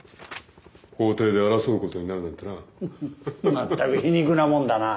全く皮肉なもんだな。